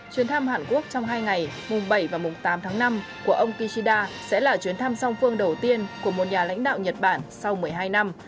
chuyến thăm hàn quốc trong hai ngày mùng bảy và mùng tám tháng năm của ông kishida sẽ là chuyến thăm song phương đầu tiên của một nhà lãnh đạo nhật bản sau một mươi hai năm